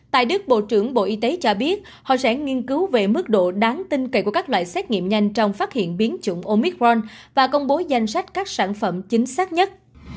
tại đức bộ trưởng bộ y tế cho biết họ sẽ nghiên cứu về mức độ đáng tin cậy của các loại xét nghiệm nhanh trong phát hiện biến chủng omicron và công bố danh sách các sản phẩm chính xác nhất